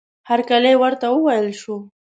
هرکلی ورته وویل شو.